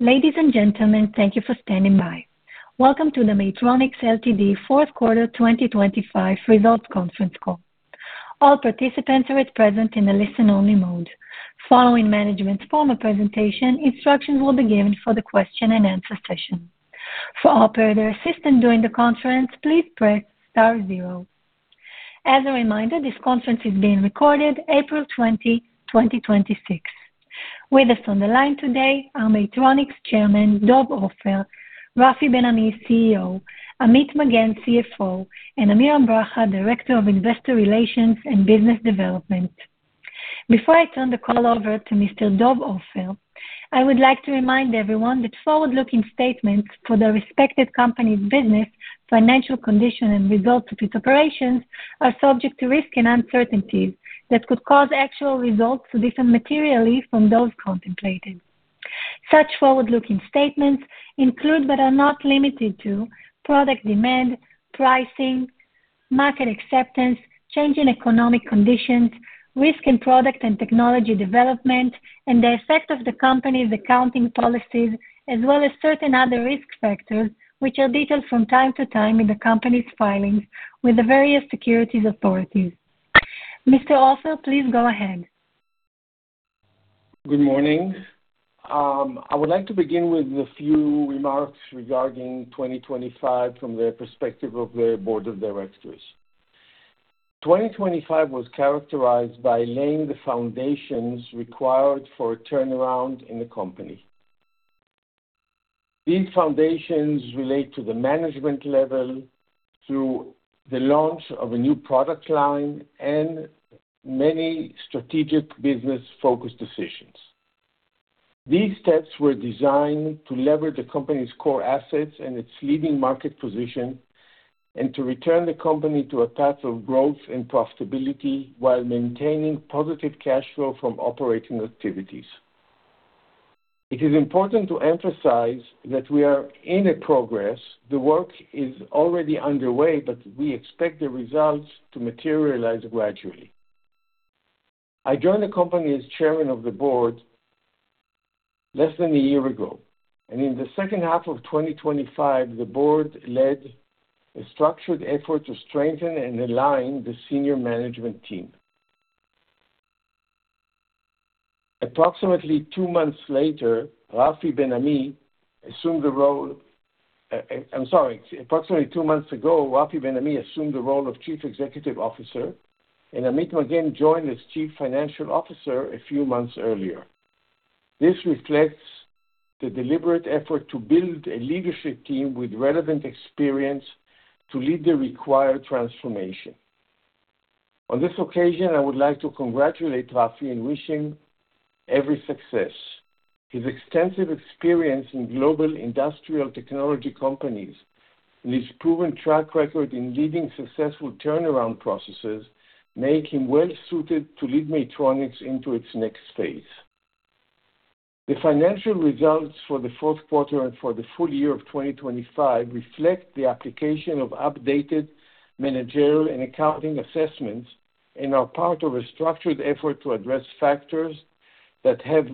Ladies and gentlemen, thank you for standing by. Welcome to the Maytronics Ltd Fourth Quarter 2025 Results Conference Call. All participants are at present in a listen-only mode. Following management's formal presentation, instructions will be given for the question and answer session. For operator assistance during the conference, please press star zero. As a reminder, this conference is being recorded. April 20, 2026. With us on the line today are Maytronics Chairman, Dov Ofer, Rafael Benami, CEO, Amit Magen, CFO, and Amiram Bracha, Director of Investor Relations and Business Development. Before I turn the call over to Mr. Dov Ofer, I would like to remind everyone that forward-looking statements for the respective company's business, financial condition and results of its operations are subject to risks and uncertainties that could cause actual results to differ materially from those contemplated. Such forward-looking statements include, but are not limited to, product demand, pricing, market acceptance, change in economic conditions, risk and product and technology development, and the effect of the company's accounting policies, as well as certain other risk factors, which are detailed from time to time in the company's filings with the various securities authorities. Mr. Ofer, please go ahead. Good morning. I would like to begin with a few remarks regarding 2025 from the perspective of the Board of Directors. 2025 was characterized by laying the foundations required for a turnaround in the company. These foundations relate to the management level through the launch of a new product line and many strategic business-focused decisions. These steps were designed to leverage the company's core assets and its leading market position, and to return the company to a path of growth and profitability while maintaining positive cash flow from operating activities. It is important to emphasize that we are in progress. The work is already underway, but we expect the results to materialize gradually. I joined the company as Chairman of the Board less than a year ago, and in the second half of 2025, the Board led a structured effort to strengthen and align the senior management team. Approximately two months ago, Rafi Benami assumed the role of Chief Executive Officer, and Amit Magen joined as Chief Financial Officer a few months earlier. This reflects the deliberate effort to build a leadership team with relevant experience to lead the required transformation. On this occasion, I would like to congratulate Rafi and wish him every success. His extensive experience in global industrial technology companies and his proven track record in leading successful turnaround processes make him well-suited to lead Maytronics into its next phase. The financial results for the fourth quarter and for the full year of 2025 reflect the application of updated managerial and accounting assessments, and are part of a structured effort to address factors that have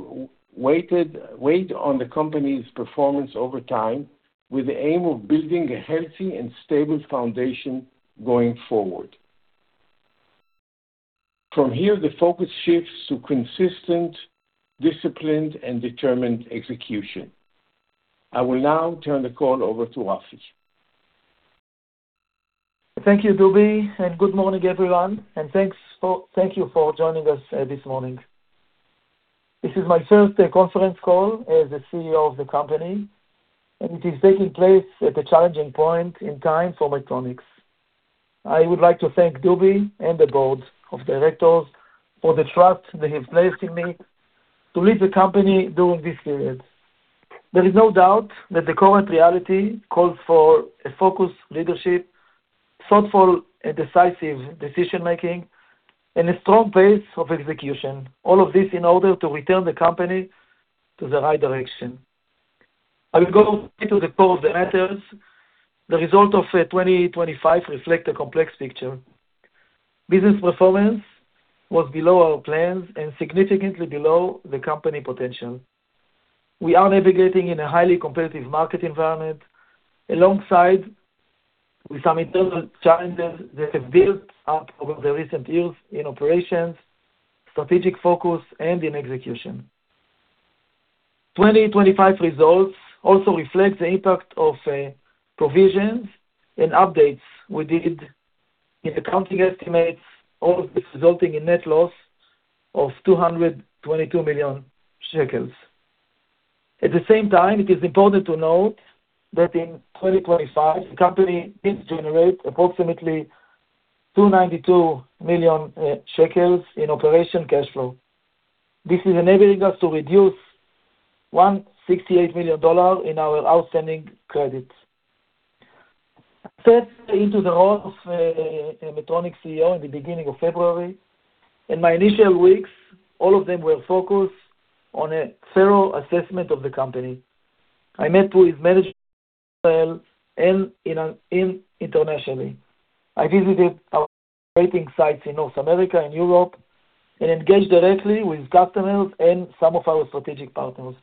weighed on the company's performance over time, with the aim of building a healthy and stable foundation going forward. From here, the focus shifts to consistent, disciplined and determined execution. I will now turn the call over to Rafi. Thank you, Dov, and good morning, everyone, and thank you for joining us this morning. This is my first conference call as the CEO of the company, and it is taking place at a challenging point in time for Maytronics. I would like to thank Dov and the board of directors for the trust they have placed in me to lead the company during this period. There is no doubt that the current reality calls for a focused leadership, thoughtful and decisive decision-making, and a strong pace of execution, all of this in order to return the company to the right direction. I will go into the core of the matters. The result of 2025 reflects a complex picture. Business performance was below our plans and significantly below the company potential. We are navigating in a highly competitive market environment alongside with some internal challenges that have built up over the recent years in operations, strategic focus and in execution. 2025 results also reflect the impact of provisions and updates we did in accounting estimates, all of this resulting in net loss of NIS 222 million. At the same time, it is important to note that in 2025, the company did generate approximately NIS 292 million in operating cash flow. This is enabling us to reduce $168 million in our outstanding credits. I stepped into the role of Maytronics CEO in the beginning of February. In my initial weeks, all of them were focused on a thorough assessment of the company. I met with management in Israel and internationally. I visited our operating sites in North America and Europe, and engaged directly with customers and some of our strategic partners.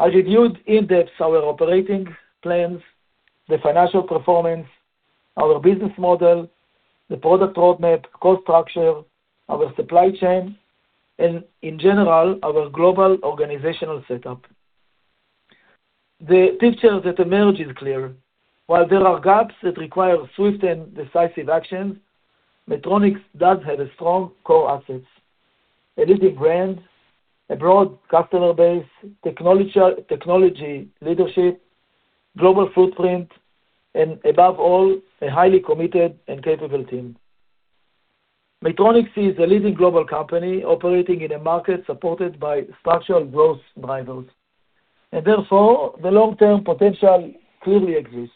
I reviewed in-depth our operating plans, the financial performance, our business model, the product roadmap, cost structure, our supply chain, and in general, our global organizational setup. The picture that emerged is clear. While there are gaps that require swift and decisive action, Maytronics does have strong core assets, a leading brand, a broad customer base, technology leadership, global footprint, and above all, a highly committed and capable team. Maytronics is a leading global company operating in a market supported by structural growth drivers, and therefore, the long-term potential clearly exists.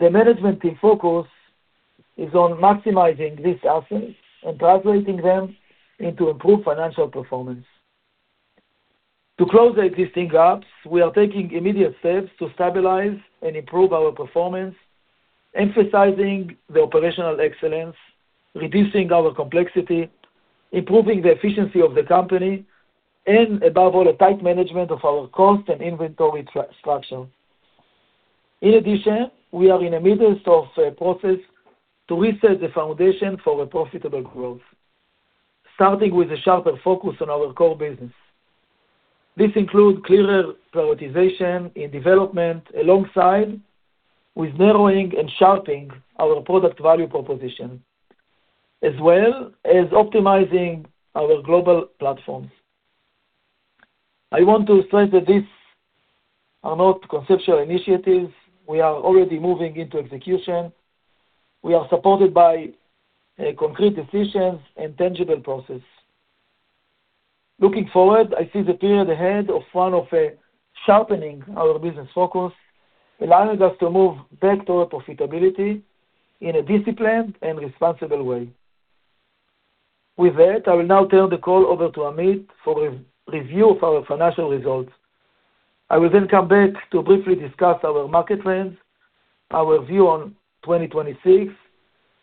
The management team focus is on maximizing these assets and translating them into improved financial performance. To close the existing gaps, we are taking immediate steps to stabilize and improve our performance, emphasizing the operational excellence, reducing our complexity, improving the efficiency of the company, and above all, a tight management of our cost and inventory structure. In addition, we are in the midst of a process to reset the foundation for a profitable growth, starting with a sharper focus on our core business. This includes clearer prioritization in development, alongside with narrowing and sharpening our product value proposition, as well as optimizing our global platforms. I want to stress that these are not conceptual initiatives. We are already moving into execution. We are supported by concrete decisions and tangible process. Looking forward, I see the period ahead of one of sharpening our business focus, allowing us to move back to our profitability in a disciplined and responsible way. With that, I will now turn the call over to Amit for a review of our financial results. I will then come back to briefly discuss our market plans, our view on 2026,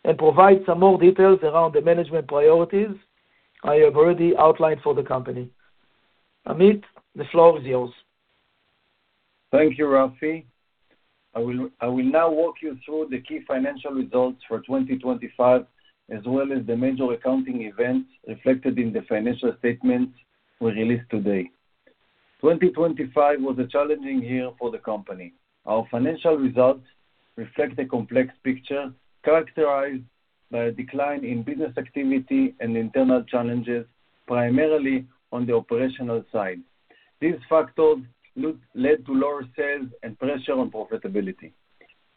and provide some more details around the management priorities I have already outlined for the company. Amit, the floor is yours. Thank you, Rafi. I will now walk you through the key financial results for 2025, as well as the major accounting events reflected in the financial statements we released today. 2025 was a challenging year for the company. Our financial results reflect a complex picture characterized by a decline in business activity and internal challenges, primarily on the operational side. These factors led to lower sales and pressure on profitability.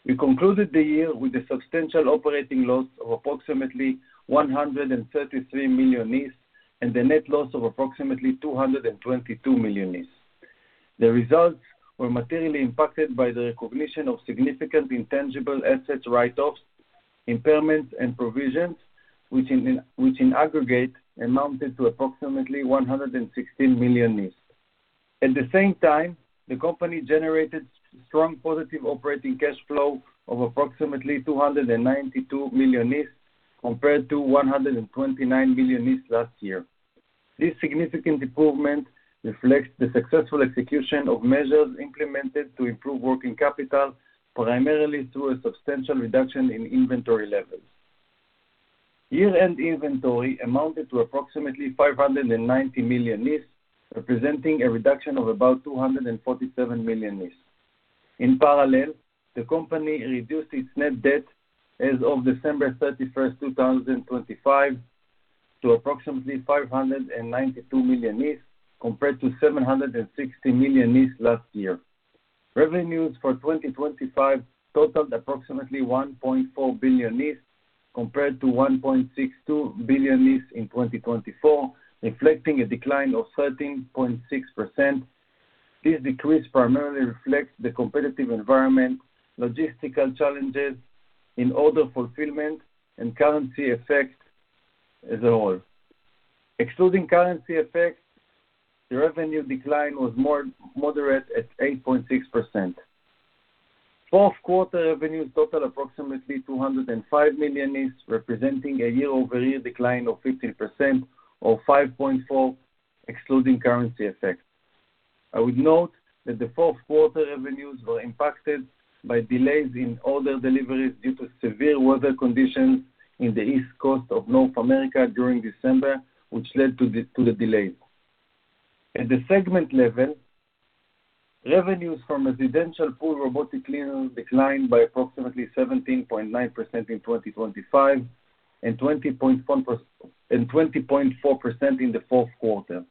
We concluded the year with a substantial operating loss of approximately NIS 133 million and a net loss of approximately NIS 222 million. The results were materially impacted by the recognition of significant intangible assets write-offs, impairments, and provisions, which in aggregate, amounted to approximately NIS 116 million. At the same time, the company generated strong positive operating cash flow of approximately NIS 292 million compared to NIS 129 million last year. This significant improvement reflects the successful execution of measures implemented to improve working capital, primarily through a substantial reduction in inventory levels. Year-end inventory amounted to approximately NIS 590 million, representing a reduction of about NIS 247 million. In parallel, the company reduced its net debt as of December 31st, 2025 to approximately NIS 592 million, compared to NIS 760 million last year. Revenues for 2025 totaled approximately NIS 1.4 billion, compared to NIS 1.62 billion in 2024, reflecting a decline of 13.6%. This decrease primarily reflects the competitive environment, logistical challenges in order fulfillment, and currency effects as a whole. Excluding currency effects, the revenue decline was more moderate at 8.6%. Fourth quarter revenues totaled approximately NIS 205 million, representing a year-over-year decline of 15% or 5.4% excluding currency effects. I would note that the fourth quarter revenues were impacted by delays in order deliveries due to severe weather conditions in the East Coast of North America during December, which led to the delay. At the segment level, revenues from residential pool robotic cleaners declined by approximately 17.9% in 2025 and 20.4% in the fourth quarter.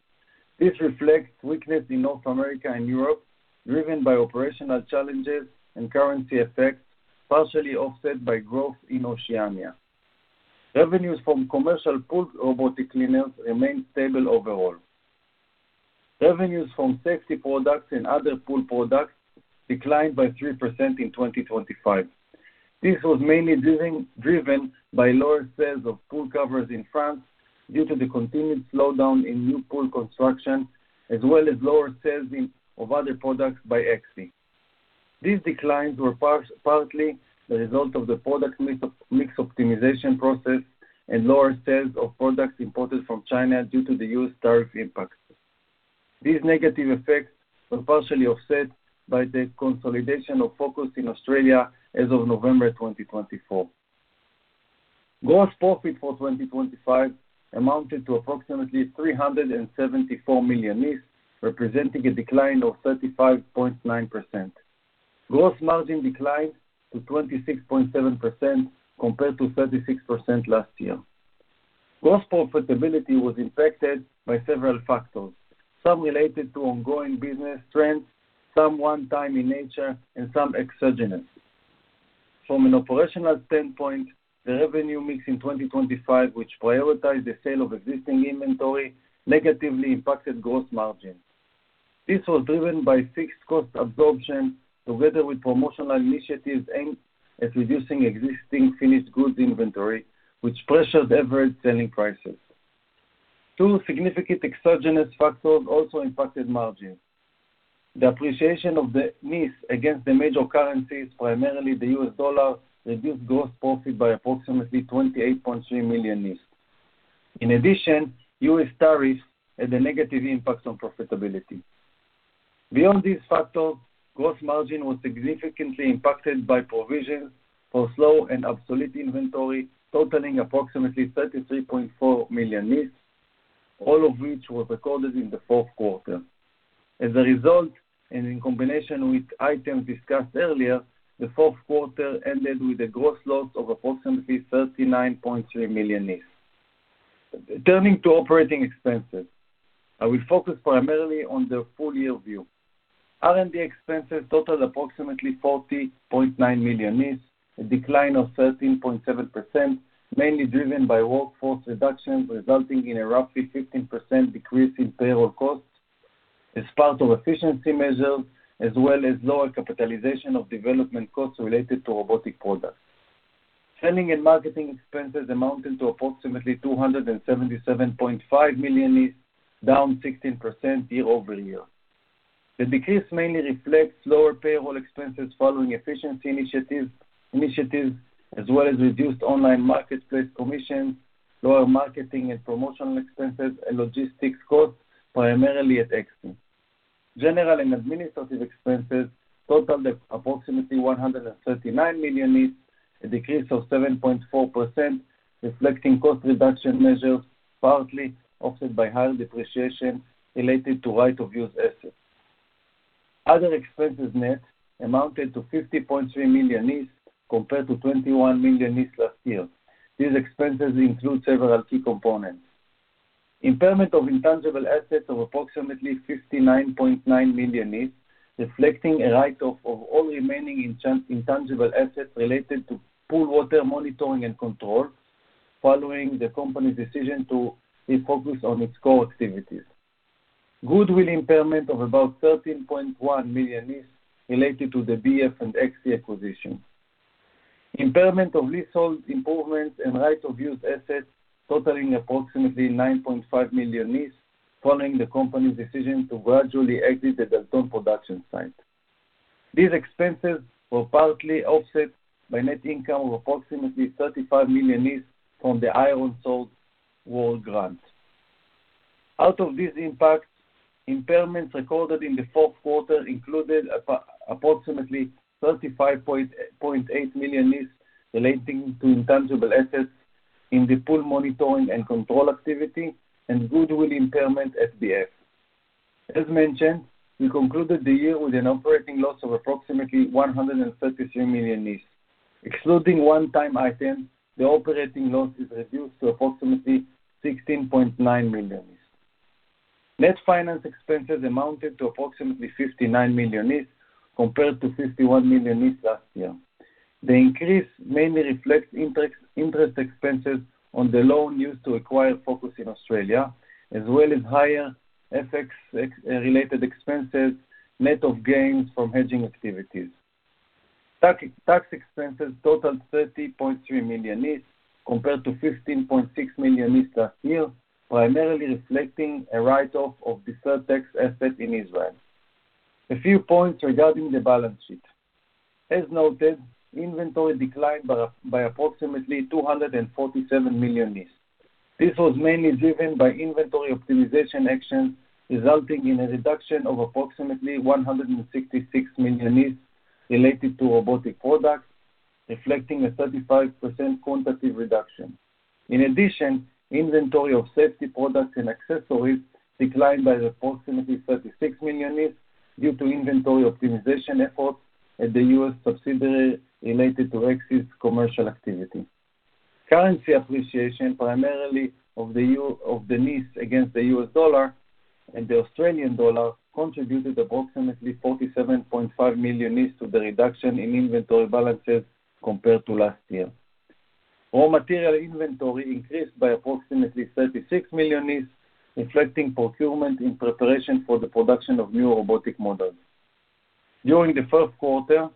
This reflects weakness in North America and Europe, driven by operational challenges and currency effects, partially offset by growth in Oceania. Revenues from commercial pool robotic cleaners remained stable overall. Revenues from safety products and other pool products declined by 3% in 2025. This was mainly driven by lower sales of pool covers in France due to the continued slowdown in new pool construction, as well as lower sales of other products by ECCXI. These declines were partly the result of the product mix optimization process and lower sales of products imported from China due to the U.S. tariff impact. These negative effects were partially offset by the consolidation of Focus in Australia as of November 2024. Gross profit for 2025 amounted to approximately NIS 374 million, representing a decline of 35.9%. Gross margin declined to 26.7% compared to 36% last year. Gross profitability was impacted by several factors, some related to ongoing business trends, some one-time in nature, and some exogenous. From an operational standpoint, the revenue mix in 2025, which prioritized the sale of existing inventory, negatively impacted gross margin. This was driven by fixed cost absorption together with promotional initiatives aimed at reducing existing finished goods inventory, which pressured average selling prices. Two significant exogenous factors also impacted margins. The appreciation of the NIS against the major currencies, primarily the U.S. dollar, reduced gross profit by approximately NIS 28.3 million. In addition, U.S. tariffs had a negative impact on profitability. Beyond these factors, gross margin was significantly impacted by provisions for slow and obsolete inventory, totaling approximately NIS 33.4 million, all of which were recorded in the fourth quarter. As a result, and in combination with items discussed earlier, the fourth quarter ended with a gross loss of approximately NIS 39.3 million. Turning to operating expenses, I will focus primarily on the full-year view. R&D expenses totaled approximately NIS 40.9 million, a decline of 13.7%, mainly driven by workforce reductions, resulting in a roughly 15% decrease in payroll costs as part of efficiency measures, as well as lower capitalization of development costs related to robotic products. Selling and marketing expenses amounted to approximately NIS 277.5 million, down 16% year-over-year. The decrease mainly reflects lower payroll expenses following efficiency initiatives, as well as reduced online marketplace commissions, lower marketing and promotional expenses, and logistics costs primarily at ECCXI. General and administrative expenses totaled approximately NIS 139 million, a decrease of 7.4%, reflecting cost reduction measures, partly offset by higher depreciation related to right-of-use assets. Other expenses net amounted to NIS 50.3 million compared to NIS 21 million last year. These expenses include several key components. Impairment of intangible assets of approximately NIS 59.9 million, reflecting a write-off of all remaining intangible assets related to pool water monitoring and control, following the company's decision to refocus on its core activities. Goodwill impairment of about NIS 13.1 million related to the BF and ECCXI acquisition. Impairment of leasehold improvements and right-of-use assets totaling approximately NIS 9.5 million, following the company's decision to gradually exit the Dalton production site. These expenses were partly offset by net income of approximately NIS 35 million from the Iron Swords War grant. Out of these impacts, impairments recorded in the fourth quarter included approximately NIS 35.8 million relating to intangible assets in the pool monitoring and control activity, and goodwill impairment at BF. As mentioned, we concluded the year with an operating loss of approximately NIS 133 million. Excluding one-time items, the operating loss is reduced to approximately NIS 16.9 million. Net finance expenses amounted to approximately NIS 59 million compared to NIS 51 million last year. The increase mainly reflects interest expenses on the loan used to acquire Focus in Australia, as well as higher FX related expenses, net of gains from hedging activities. Tax expenses totaled NIS 30.3 million compared to NIS 15.6 million last year, primarily reflecting a write-off of the deferred tax asset in Israel. A few points regarding the balance sheet. As noted, inventory declined by approximately NIS 247 million. This was mainly driven by inventory optimization actions, resulting in a reduction of approximately NIS 166 million related to robotic products, reflecting a 35% quantitative reduction. In addition, inventory of safety products and accessories declined by approximately NIS 36 million due to inventory optimization efforts at the U.S. subsidiary related to ECCXI's commercial activity. Currency appreciation, primarily of the NIS against the U.S. dollar and the Australian dollar, contributed approximately NIS 47.5 million to the reduction in inventory balances compared to last year. Raw material inventory increased by approximately NIS 36 million, reflecting procurement in preparation for the production of new robotic models. During the first quarter,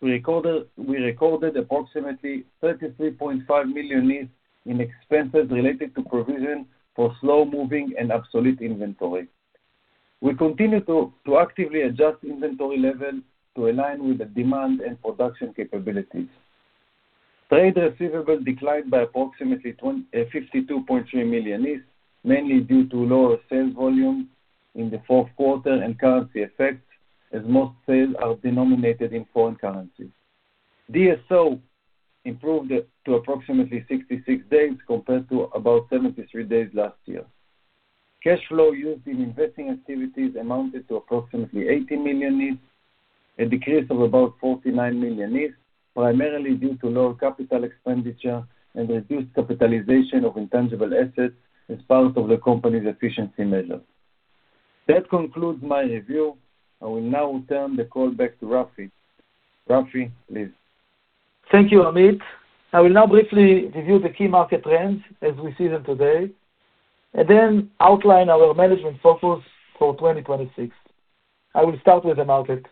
we recorded approximately NIS 33.5 million in expenses related to provision for slow-moving and obsolete inventory. We continue to actively adjust inventory levels to align with the demand and production capabilities. Trade receivables declined by approximately NIS 52.3 million, mainly due to lower sales volume in the fourth quarter and currency effects, as most sales are denominated in foreign currencies. DSO improved to approximately 66 days, compared to about 73 days last year. Cash flow used in investing activities amounted to approximately NIS 80 million, a decrease of about NIS 49 million, primarily due to lower capital expenditure and reduced capitalization of intangible assets as part of the company's efficiency measures. That concludes my review. I will now turn the call back to Rafi. Rafi, please. Thank you, Amit. I will now briefly review the key market trends as we see them today, and then outline our management focus for 2026. I will start with the market.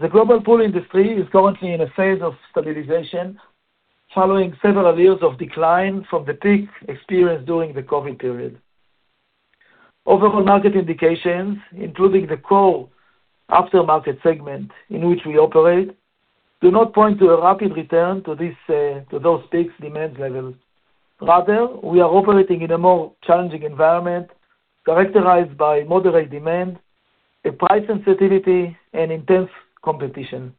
The global pool industry is currently in a phase of stabilization, following several years of decline from the peak experienced during the COVID period. Overall market indications, including the core aftermarket segment in which we operate, do not point to a rapid return to those peak demand levels. Rather, we are operating in a more challenging environment characterized by moderate demand, a price sensitivity, and intense competition.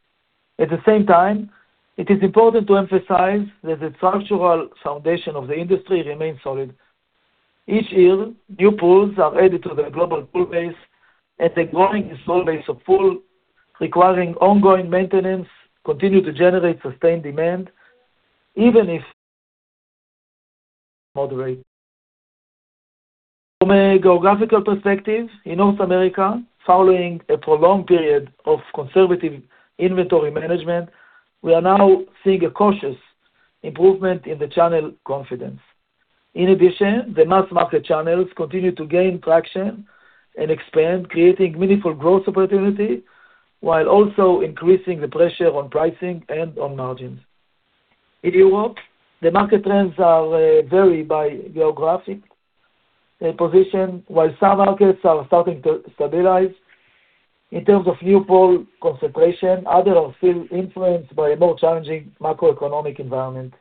At the same time, it is important to emphasize that the structural foundation of the industry remains solid. Each year, new pools are added to the global pool base, and the growing install base of pools requiring ongoing maintenance continue to generate sustained demand, even if moderate. From a geographical perspective, in North America, following a prolonged period of conservative inventory management, we are now seeing a cautious improvement in the channel confidence. In addition, the mass market channels continue to gain traction and expand, creating meaningful growth opportunity while also increasing the pressure on pricing and on margins. If you will, the market trends are varied by geographic position. While some markets are starting to stabilize in terms of new pool concentration, others are still influenced by a more challenging macroeconomic environment.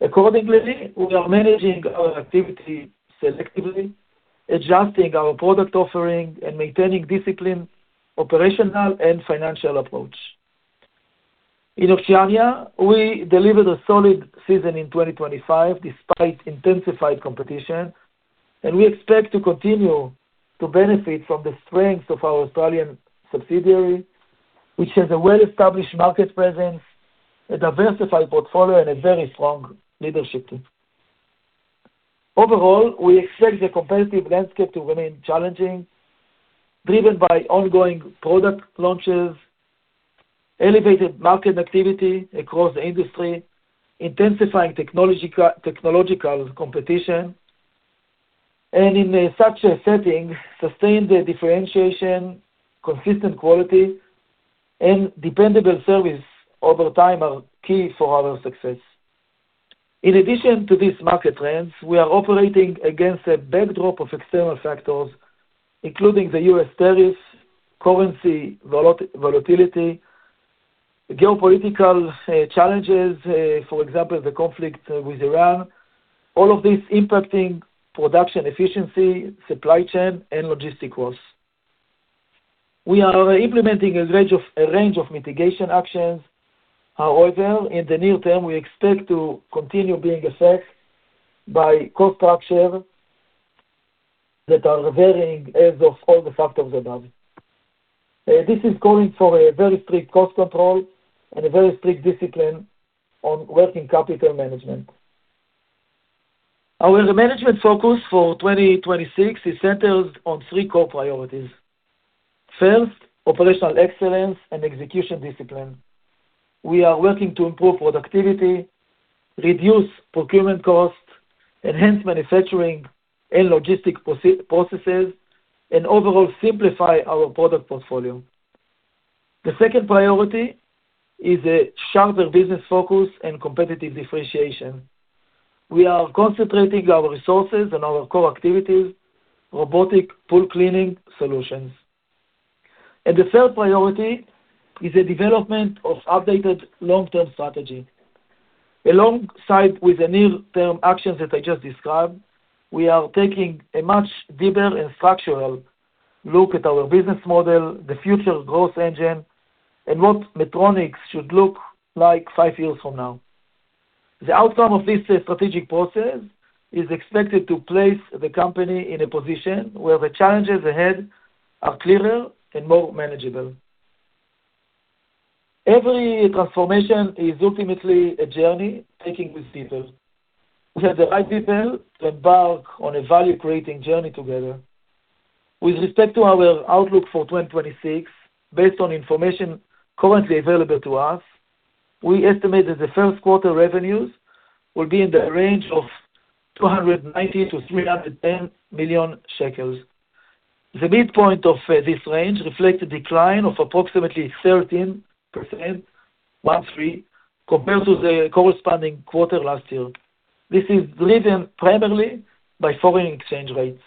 Accordingly, we are managing our activity selectively, adjusting our product offering, and maintaining discipline, operational and financial approach. In Oceania, we delivered a solid season in 2025 despite intensified competition, and we expect to continue to benefit from the strength of our Australian subsidiary, which has a well-established market presence, a diversified portfolio, and a very strong leadership team. Overall, we expect the competitive landscape to remain challenging, driven by ongoing product launches, elevated market activity across the industry, intensifying technological competition, and in such a setting, sustained differentiation, consistent quality, and dependable service over time are key for our success. In addition to these market trends, we are operating against a backdrop of external factors, including the U.S. tariffs, currency volatility, geopolitical challenges, for example, the conflict with Iran, all of these impacting production efficiency, supply chain, and logistics costs. We are implementing a range of mitigation actions. However, in the near term, we expect to continue being affected by cost structures that are varying because of all the factors above. This is calling for a very strict cost control and a very strict discipline on working capital management. Our management focus for 2026 is centered on three core priorities. First, operational excellence and execution discipline. We are working to improve productivity, reduce procurement costs, enhance manufacturing and logistics processes, and overall simplify our product portfolio. The second priority is a sharper business focus and competitive differentiation. We are concentrating our resources on our core activities, robotic pool-cleaning solutions. The third priority is the development of updated long-term strategy. Alongside with the near-term actions that I just described, we are taking a much deeper and structural look at our business model, the future growth engine, and what Maytronics should look like five years from now. The outcome of this strategic process is expected to place the company in a position where the challenges ahead are clearer and more manageable. Every transformation is ultimately a journey taken with people. We have the right people to embark on a value-creating journey together. With respect to our outlook for 2026, based on information currently available to us, we estimate that the first quarter revenues will be in the range of NIS 290 million-NIS 310 million. The midpoint of this range reflects a decline of approximately 13% compared to the corresponding quarter last year. This is driven primarily by foreign exchange rates.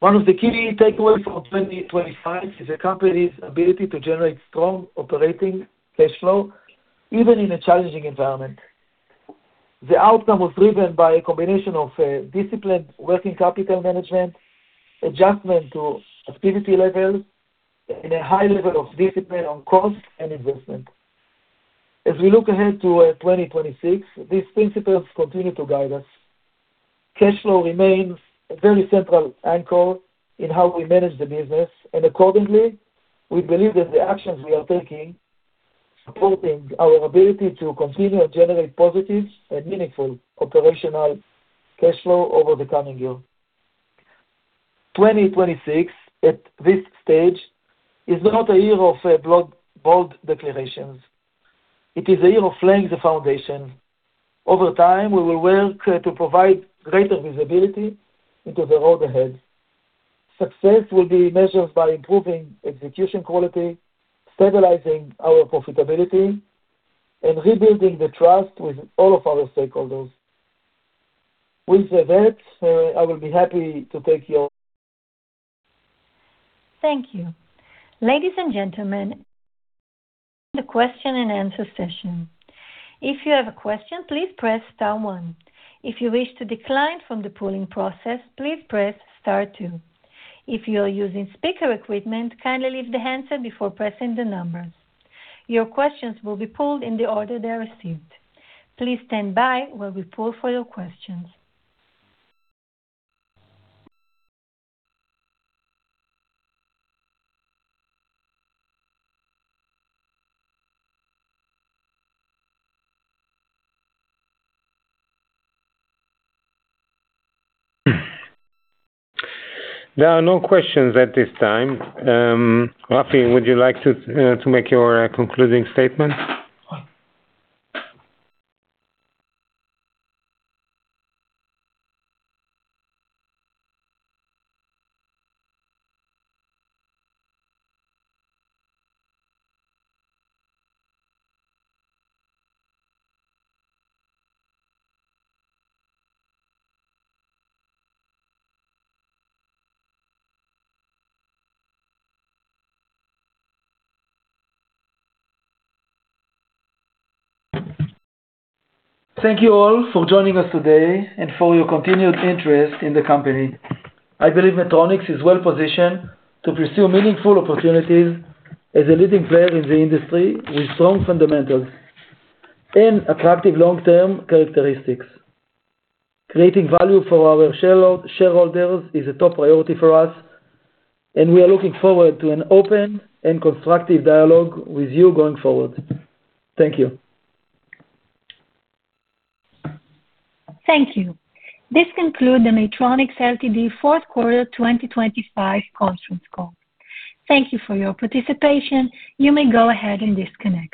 One of the key takeaways from 2025 is the company's ability to generate strong operating cash flow, even in a challenging environment. The outcome was driven by a combination of disciplined working capital management, adjustment to activity levels, and a high level of discipline on cost and investment. As we look ahead to 2026, these principles continue to guide us. Cash flow remains a very central anchor in how we manage the business, and accordingly, we believe that the actions we are taking, supporting our ability to continue to generate positive and meaningful operational cash flow over the coming year. 2026, at this stage, is not a year of bold declarations. It is a year of laying the foundation. Over time, we will work to provide greater visibility into the road ahead. Success will be measured by improving execution quality, stabilizing our profitability, and rebuilding the trust with all of our stakeholders. With that, I will be happy to take your Thank you. Ladies and gentlemen, the question and answer session. If you have a question, please press star one. If you wish to decline from the pooling process, please press star two. If you are using speaker equipment, kindly leave the handset before pressing the numbers. Your questions will be pooled in the order they are received. Please stand by while we poll for your questions. There are no questions at this time. Rafi, would you like to make your concluding statement? Thank you all for joining us today and for your continued interest in the company. I believe Maytronics is well-positioned to pursue meaningful opportunities as a leading player in the industry with strong fundamentals and attractive long-term characteristics. Creating value for our shareholders is a top priority for us, and we are looking forward to an open and constructive dialogue with you going forward. Thank you. Thank you. This concludes the Maytronics Ltd fourth quarter 2025 conference call. Thank you for your participation. You may go ahead and disconnect.